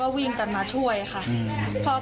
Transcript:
พอดีมันเข้าหลายจุดอยู่เหมือนกันนะคะ